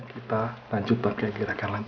kita lanjut pakai gerakan langit